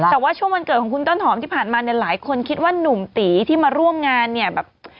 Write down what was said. แต่ว่าช่วงวันเกิดของคุณต้นหอมที่ผ่านมาเนี่ยหลายคนคิดว่าหนุ่มตีที่มาร่วมงานเนี่ยแบบ